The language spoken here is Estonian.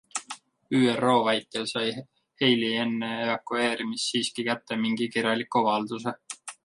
ÜRO väitel sai Haley enne evakueerumist siiski kätte mingi kirjaliku avalduse.